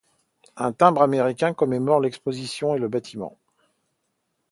Un timbre américain commémore l'exposition et le bâtiment.